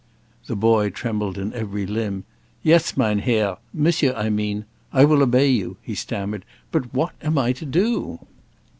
The boy trembled in every limb. "Yes, mein Herr Monsieur, I mean I will obey you," he stammered. "But what am I to do?"